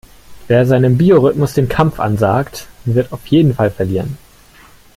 Wer seinem Biorhythmus den Kampf ansagt, wird auf jeden Fall verlieren.